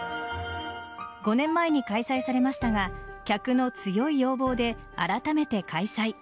５年前に開催されましたが客の強い要望であらためて開催。